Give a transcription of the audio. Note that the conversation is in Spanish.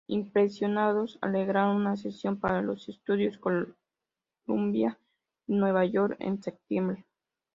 Impresionados, arreglaron una sesión para los Studios Columbia en New York en septiembre.